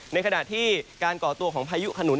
ในขณะที่การก่อตัวของพายุขนุน